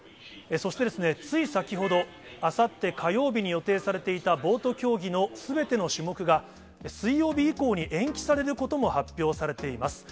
そしてつい先ほど、あさって火曜日に予定されていたボート競技のすべての種目が、水曜日以降に延期されることも発表されています。